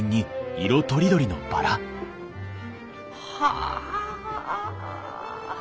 はあ。